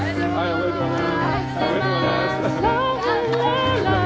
おめでとうございます。